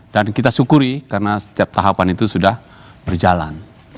dan kita syukuri karena setiap tahapan itu sudah berjalan